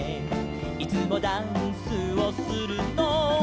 「いつもダンスをするのは」